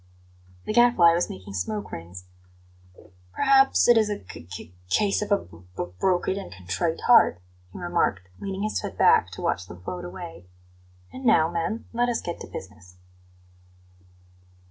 The Gadfly was making smoke rings. "Perhaps it is a c c case of a 'b b broken and contrite heart,'" he remarked, leaning his head back to watch them float away. "And now, men, let us get to business."